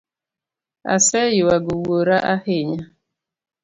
Aseyuago wuora ahinya